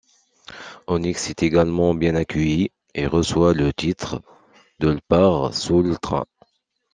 Onyx est également bien accueilli et reçoit le titre de l' par Soul Train.